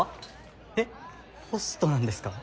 えっホストなんですか？